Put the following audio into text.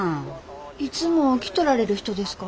いつも来とられる人ですか？